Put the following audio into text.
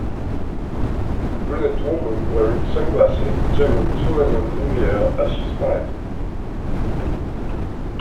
A brunette woman wearing sunglasses is juggling two lemons in the air as she smiles.